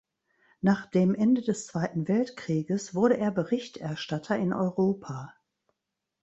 Nach dem Ende des Zweiten Weltkrieges wurde er Berichterstatter in Europa.